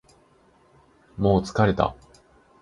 もう疲れた